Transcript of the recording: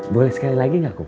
boleh sekali lagi enggak ko